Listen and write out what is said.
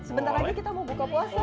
sebentar lagi kita mau buka puasa